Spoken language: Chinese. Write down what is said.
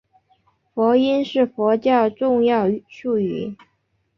佛音是佛教重要术语。